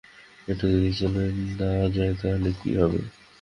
ঐটা যদি চলে না যায় তাহলে কি হবে?